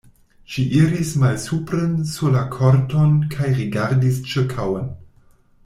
Ŝi iris malsupren sur la korton kaj rigardis ĉirkaŭen.